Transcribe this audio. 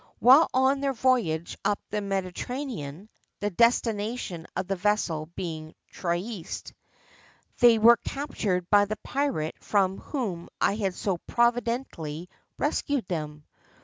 While on their voyage up the Mediterranean, (the destination of the vessel being Trieste), they were captured by the pirate from whom I had so providentially rescued them.